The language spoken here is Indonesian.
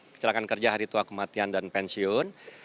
kecelakaan kerja hari tua kematian dan pensiun